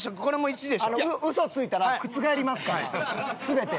嘘ついたら覆りますから全て。